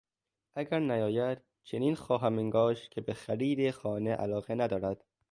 اگر نیاید چنین خواهم انگاشت که به خرید خانه علاقه ندارد.